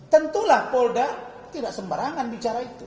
tentulah polda tidak sembarangan bicara itu